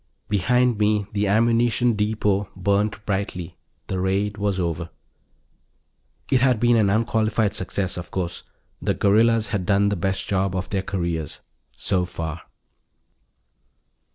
Behind me the ammunition depot burned brightly. The raid was over. It had been an unqualified success, of course. The guerrillas had done the best job of their careers. So far.